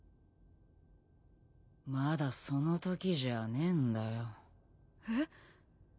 まだそのときじゃねえんだよ。えっ？